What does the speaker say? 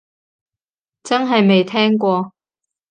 真係未聽過